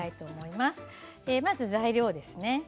まず材料です。